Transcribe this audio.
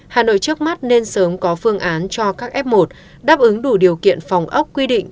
hà nội trước mắt nên sớm có phương án cho các f một đáp ứng đủ điều kiện phòng ốc quy định